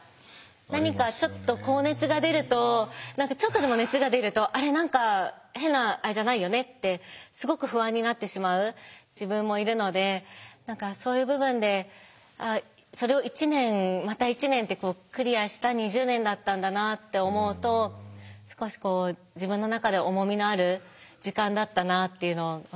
何かちょっと高熱が出るとちょっとでも熱が出ると「あれ何か変なあれじゃないよね？」ってすごく不安になってしまう自分もいるのでそういう部分でそれをだったんだなって思うと少しこう自分の中で重みのある時間だったなっていうのは感じます。